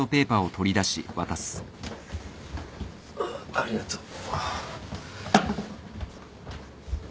ありがとう。